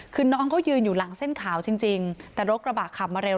คือน้องเขายืนอยู่หลังเส้นขาวจริงแต่รถกระบะขับมาเร็ว